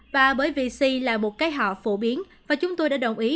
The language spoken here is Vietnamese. và bởi vì si là một cái họ phổ biến và chúng tôi đã đồng ý